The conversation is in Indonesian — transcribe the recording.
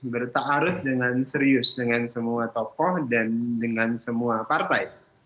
bertaharus dengan serius dengan semua tokoh dan dengan semua partai